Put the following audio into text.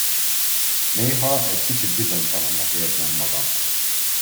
Néha egy kicsit bizonytalannak érzem magam.